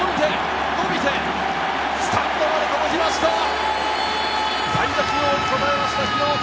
伸びて、スタンドまで届きました。